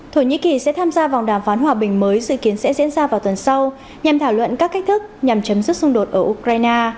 thổ nhĩ kỳ sẽ tham gia vòng đàm phán hòa bình mới dự kiến sẽ diễn ra vào tuần sau nhằm thảo luận các cách thức nhằm chấm dứt xung đột ở ukraine